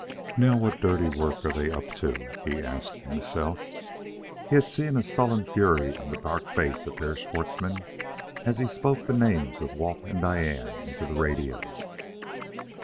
"Now what dirty work are they up to?" he asked himself. He had seen a sullen fury on the dark face of Herr Schwartzmann as he spoke the names of Walt and Diane into the radio.